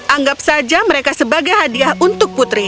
anggap saja mereka sebagai hadiah untuk putri